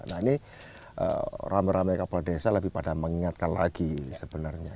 nah ini rame rame kepala desa lebih pada mengingatkan lagi sebenarnya